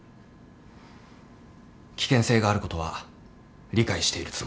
危険性があることは理解しているつもりです。